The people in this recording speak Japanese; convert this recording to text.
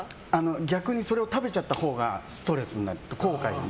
逆にそれを食べちゃったほうがストレスになる。